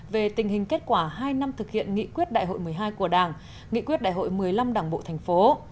về tình hình kết quả hai năm thực hiện nghị quyết đại hội một mươi hai của đảng nghị quyết đại hội một mươi năm đảng bộ thành phố